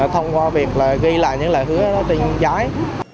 thông qua việc ghi lại những lời hứa trên giới